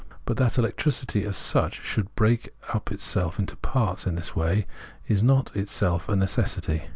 But that electricity as such should break itself up into parts in this way — this is not in itself a necessity.